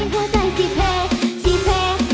สุดยอด